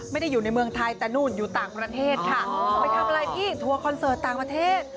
ไม่ได้อยู่ในเมืองไทยแต่นู่นอยู่ต่างประเทศค่ะไปทำอะไรพี่ทัวร์คอนเสิร์ตต่างประเทศ